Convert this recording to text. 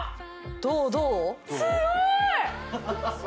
どうどう？